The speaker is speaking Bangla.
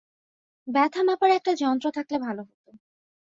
ব্যথা মাপার একটা যন্ত্র থাকলে ভাল হত।